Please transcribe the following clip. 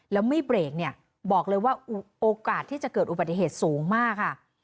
แล้วไม่เบรกเนี่ยบอกเลยว่าโอกาสที่จะเกิดอุบัติเหตุสูงมากค่ะ